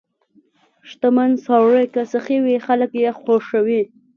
• شتمن سړی که سخي وي، خلک یې خوښوي.